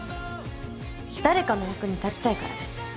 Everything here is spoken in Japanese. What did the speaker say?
誰かの役に立ちたいからです。